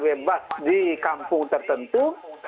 bebas di kampung tertentu